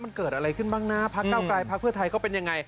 มันเกิดอะไรขึ้นบ้างนะพักเก้าไกลพักเพื่อไทยก็เป็นยังไง